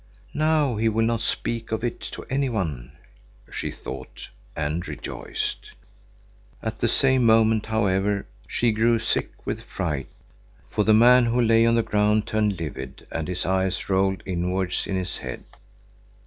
"Now he will not speak of it to any one," she thought, and rejoiced. At the same moment, however, she grew sick with fright, for the man who lay on the ground turned livid and his eyes rolled inwards in his head.